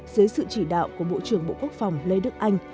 dưới sự chỉ đạo của bộ trưởng bộ quốc phòng lê đức anh